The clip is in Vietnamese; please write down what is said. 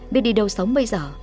biết đi đâu sống bây giờ